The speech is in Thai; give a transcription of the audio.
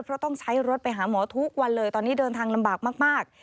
เพราะต้องใช้รถไปหาหมอทุกวันเลยตอนนี้เดินทางลำบากมาก